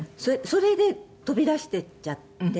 それで飛び出して行っちゃって。